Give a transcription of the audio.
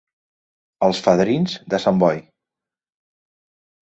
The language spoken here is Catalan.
Els fadrins de Sant Boi.